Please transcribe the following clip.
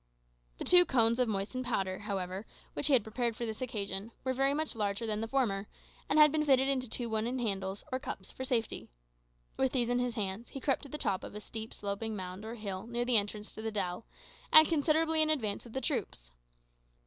The two cones of moistened powder, however, which he had prepared for this occasion, were very much larger than the former, and had been fitted into two wooden handles, or cups, for safety. With these in his hands, he crept to the top of a steep, sloping mound or hill near the entrance to the dell, and considerably in advance of the troops.